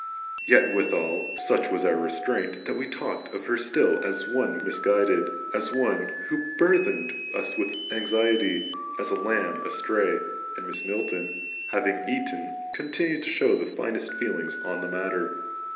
Yet withal, such was our restraint, that we talked of her still as one much misguided, as one who burthened us with anxiety, as a lamb astray, and Mrs. Milton having eaten, continued to show the finest feelings on the matter.